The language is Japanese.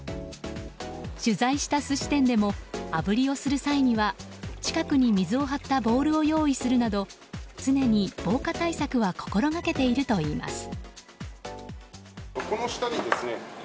取材した寿司店でもあぶりをする際には近くに水を張ったボウルを用意するなど常に防火対策は心がけているといいます。